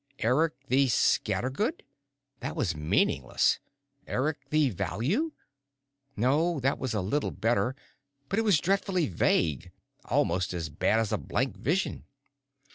Eric the Scattergood? That was meaningless. Eric the Value? No, that was a little better, but it was dreadfully vague, almost as bad as a blank vision.